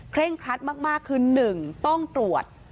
เคร่งครัดมากคือ๑ต้องตรวจ